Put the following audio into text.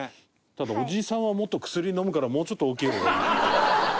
ただおじさんはもっと薬飲むからもうちょっと大きい方がいいよね。